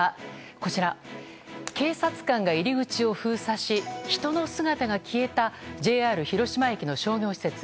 こちら、警察官が入り口を封鎖し人の姿が消えたＪＲ広島駅の商業施設。